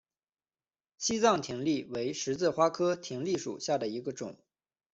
西藏葶苈为十字花科葶苈属下的一个种。